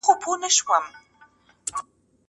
زه پرون کتابتوننۍ سره وم!